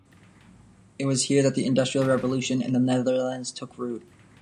It was here that the industrial revolution in the Netherlands took root.